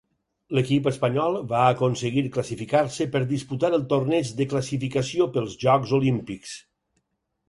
L'equip espanyol va aconseguir classificar-se per disputar el torneig de classificació pels jocs olímpics.